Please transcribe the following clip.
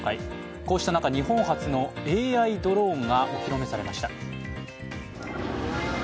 こうした中、日本初のＡＩドローンがお披露目されました。